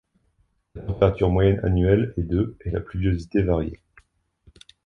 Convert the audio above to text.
La température moyenne annuelle est de et la pluviosité variée.